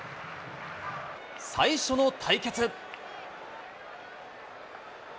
最初の対決。